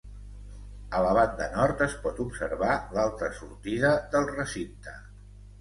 A la banda nord es pot observar l'altra sortida del recinte.